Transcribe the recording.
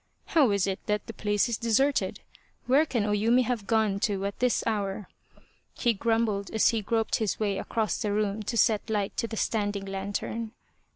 " How is it that the place is deserted ? Where can 30 The Quest of the Sword O Yumi have gone to at this hour ?" he grumbled as he groped his way across the room and set light to the standing lantern.